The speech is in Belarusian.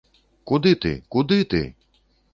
Куды ты, куды ты?